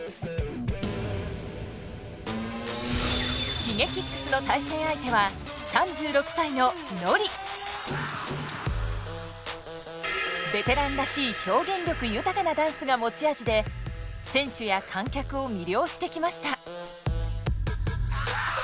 Ｓｈｉｇｅｋｉｘの対戦相手はベテランらしい表現力豊かなダンスが持ち味で選手や観客を魅了してきました。